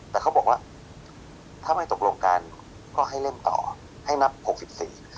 แต่เขาบอกว่าถ้าไม่ตกลงกันก็ให้เล่นต่อให้นับหกสิบสี่